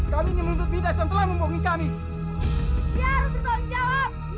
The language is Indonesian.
tidak tidak tidak